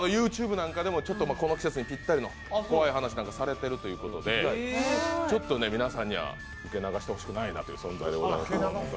ＹｏｕＴｕｂｅなんかでも、この季節にぴったりの怖い話をしているということでちょっとね、皆さんには受け流してほしくないなという存在でございます。